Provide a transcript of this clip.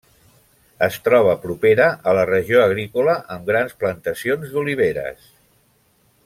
Es troba propera a la regió agrícola amb grans plantacions d'oliveres.